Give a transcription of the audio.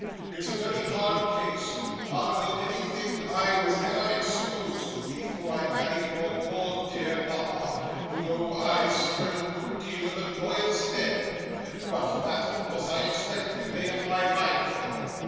It's a very hard case harder than anything I was ever exposed to, before I married your poor dear papa, though I suffered a good deal of annoyance then but that, of course, I expected, and made up my mind for.